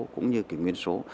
cũng như cái nguyên số